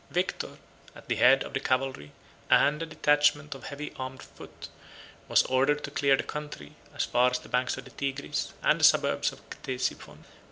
Victor, at the head of the cavalry, and of a detachment of heavy armed foot, was ordered to clear the country, as far as the banks of the Tigris, and the suburbs of Ctesiphon.